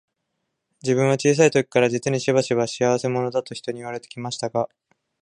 自分は小さい時から、実にしばしば、仕合せ者だと人に言われて来ましたが、